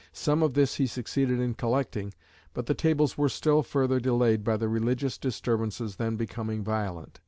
Some of this he succeeded in collecting, but the Tables were still further delayed by the religious disturbances then becoming violent.